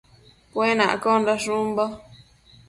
Cuenaccondash umbo